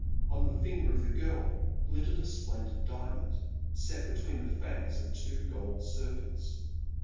On the finger of the girl glittered a splendid diamond, set between the fangs of two gold serpents.